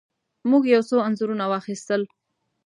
موږ یو څو انځورونه واخیستل.